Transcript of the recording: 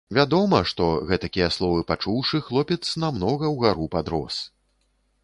Вядома, што, гэтакія словы пачуўшы, хлопец намнога ўгару падрос.